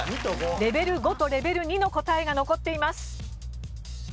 レベル５とレベル２の答えが残っています。